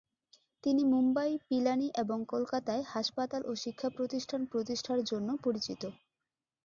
তিনি মুম্বই, পিলানী এবং কলকাতায় হাসপাতাল ও শিক্ষাপ্রতিষ্ঠান প্রতিষ্ঠার জন্য পরিচিত।